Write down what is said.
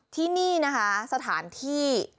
ที่นี่นะคะสถานที่